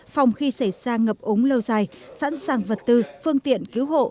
phòng khi xảy ra ngập ống lâu dài sẵn sàng vật tư phương tiện cứu hộ